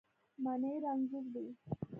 منی رنځور دی